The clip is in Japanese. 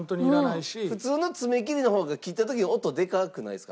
普通の爪切りの方が切った時に音でかくないですか？